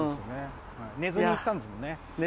寝ずに行ったんですもんね。